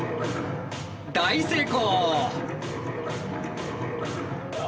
大成功。